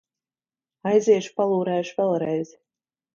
Aiziešu, palūrēšu vēlreiz...